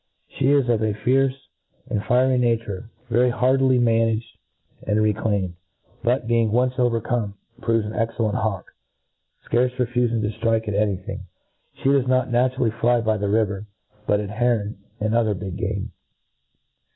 She is of a fierce and fiery nature, very hardly managed and reclaimed ; but, being once overcome, proves an excellent hawk, fcarce refufing to ftrike at any thing. She docs not naturally fly the river, but at heron, and other big game.